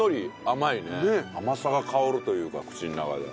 甘さが香るというか口の中で。